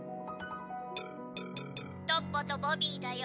「トッポとボビーだよ」。